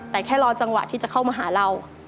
แต่แค่รอจังหวะที่จะเข้ามาหาเรา